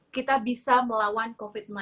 kita bisa melawan kesehatan